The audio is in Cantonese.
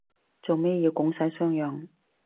做咩要拱手相讓